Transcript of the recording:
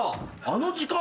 あの時間。